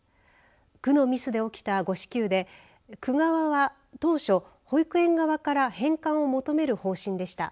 区のミスで起きた誤支給で区側は、当初、保育園側から返還を求める方針でした。